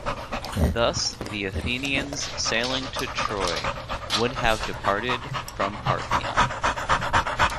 Thus the Athenians sailing to Troy would have departed from Phaleron.